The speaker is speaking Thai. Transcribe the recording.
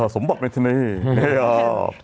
สมบัติบัครราชีวิต